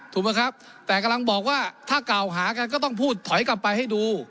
ถูกไหมครับแต่กำลังบอกว่าถ้ากล่าวหากันก็ต้องพูดถอยกลับไปให้ดู